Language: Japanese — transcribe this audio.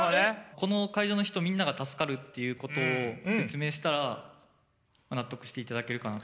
この会場の人みんなが助かるということを説明したら納得していただけるかなと。